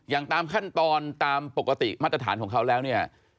ตามขั้นตอนตามปกติมาตรฐานของเขาแล้วเนี่ย